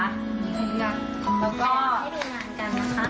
เรามีสองแบบนะคะ